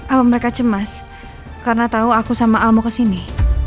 apa mereka cemas karena tahu aku sama al mau ke sini